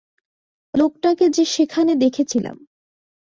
লোকটাকে সেখানে দেখেছিলাম।